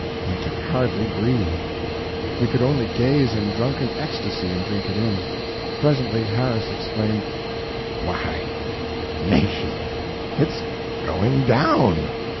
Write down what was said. We could hardly breathe. We could only gaze in drunken ecstasy and drink in it. Presently Harris exclaimed: "Why nation, it's going DOWN!"